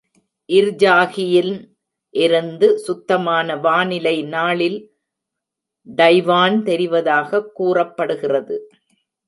இர்ஜாகியில் இருந்து சுத்தமான வானிலை நாளில் டைவான் தெரிவதாக கூறப்படுகிறது.